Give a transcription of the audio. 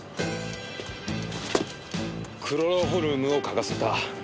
クロロホルムを嗅がせた。